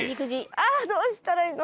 ああどうしたらいいの？